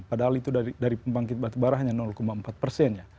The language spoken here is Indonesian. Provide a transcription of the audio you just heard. padahal itu dari pembangkit batubara hanya empat persen ya